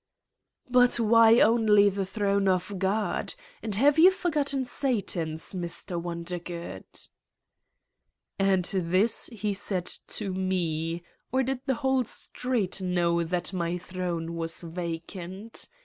' "But why only the throne of God! And have you forgotten Satan's, Mr. Wondergood?" And this he said to Me ... or did the whole street know that my throne was vacant!